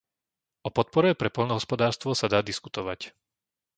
O podpore pre poľnohospodárstvo sa dá diskutovať.